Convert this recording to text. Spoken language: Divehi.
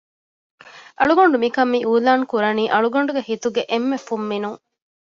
އަޅުގަނޑު މިކަން މިއިއުލާންކުރަނީ އަޅުގަނޑުގެ ހިތުގެ އެންމެ ފުންމިނުން